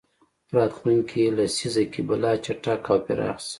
راتلونکې لسیزه کې به لا چټک او پراخ شي.